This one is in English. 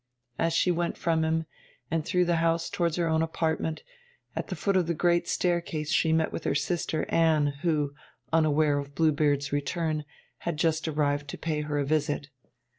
As she went from him, and through the house towards her own apartment, at the foot of the great staircase she met with her sister Anne, who (unaware of Blue Beard's return) had just arrived to pay her a visit.